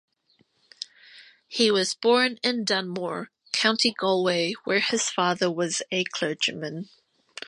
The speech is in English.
He was born in Dunmore, County Galway, where his father was a clergyman.